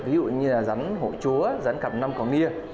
ví dụ như rắn hội chúa rắn cặp năm có ngia